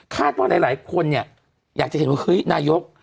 คาดว่าหลายคนอยากจะเห็นว่าเฮ้ยนายก